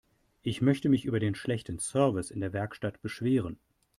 Ich möchte mich über den schlechten Service in der Werkstatt beschweren.